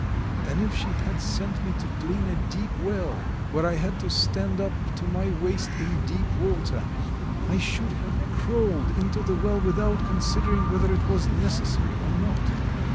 And if she had sent me to clean a deep well, where I had to stand up to my waist in deep water, I should have crawled into the well without considering whether it was necessary or not.